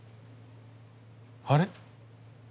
あれ？